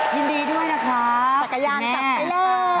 ยินดีด้วยนะคะจักรยานจัดไปเลย